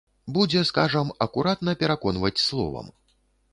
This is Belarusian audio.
Будзе, скажам акуратна, пераконваць словам.